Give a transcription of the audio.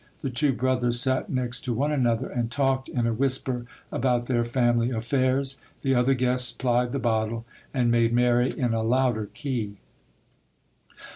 The two brothers sat next to one another, and talked in a whisper about their family affairs ; the other guests plied the bottle, and made merry in a louder key.